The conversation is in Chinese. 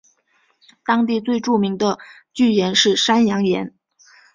当地最著名的巨岩是山羊岩。